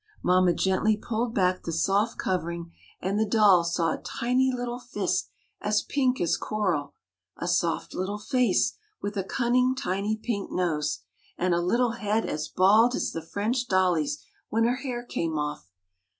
Mamma gently pulled back the soft covering and the dolls saw a tiny little fist as pink as coral, a soft little face with a cunning tiny pink nose, and a little head as bald as the French dolly's when her hair came off.